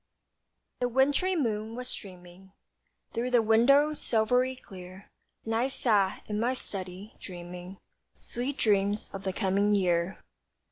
The wintry moon was streaming Through the window, silvery clear, And I sat in my study, dreaming Sweet dreams of the coming year.